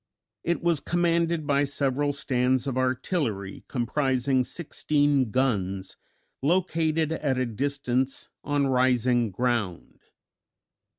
It was commanded by several stands of artillery, comprising sixteen guns, located at a distance on rising ground.